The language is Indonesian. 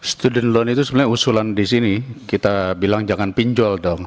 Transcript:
student loan itu sebenarnya usulan di sini kita bilang jangan pinjol dong